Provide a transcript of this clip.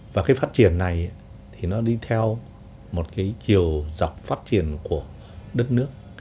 và cái phát triển này thì nó đi theo một cái chiều dọc phát triển của đất nước